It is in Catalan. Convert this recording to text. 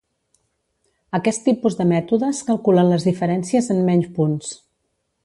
Aquest tipus de mètodes calculen les diferències en menys punts.